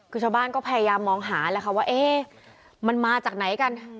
คือชาวบ้านก็พยายามมองหาแล้วค่ะว่าเอ๊ะมันมาจากไหนกัน